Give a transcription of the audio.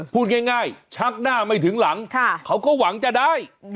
พูดง่ายชักหน้าไม่ถึงหลังเขาก็หวังจะได้